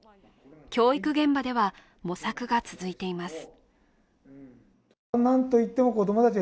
教育現場では模索が続いています。